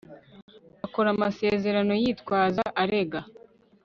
akora amasezerano yitwaza arega